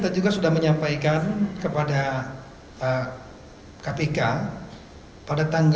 alibinya tidak ada di tkp